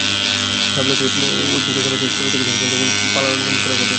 শাওয়ালের ঐচ্ছিক রোজা মাসের শুরু থেকে শেষ সময় পর্যন্ত পালন করা যাবে।